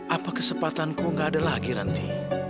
apa kesepatanku gak ada lagi ranti